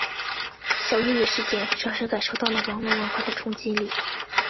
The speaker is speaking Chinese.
小月月事件让人感受到了网络文化的冲击力。